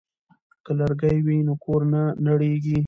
که لرګی وي نو کور نه نړیږي.